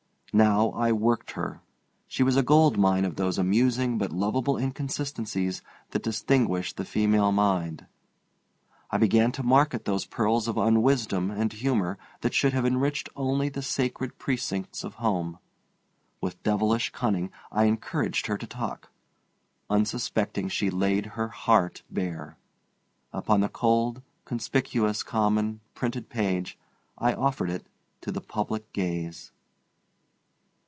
Now I worked her. She was a gold mine of those amusing but lovable inconsistencies that distinguish the female mind. I began to market those pearls of unwisdom and humor that should have enriched only the sacred precincts of home. With devilish cunning I encouraged her to talk. Unsuspecting, she laid her heart bare. Upon the cold, conspicuous, common, printed page I offered it to the public gaze.